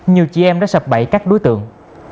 nhiều chị em đã sập bẫy các đối tượng